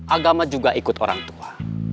agama juga ikut orang tua